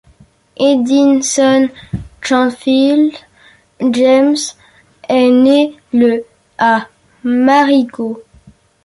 Edison Chenfil James est né le à Marigot.